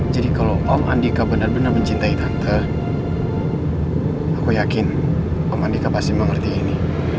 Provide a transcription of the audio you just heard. jadi kalau om andika benar benar mencintai tante aku yakin om andika pasti mengerti ini